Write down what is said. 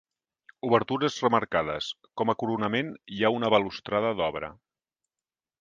Obertures remarcades, com a coronament hi ha una balustrada d'obra.